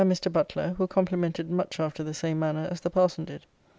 ] and Mr. Butler, who complimented much after the same manner as the parson did.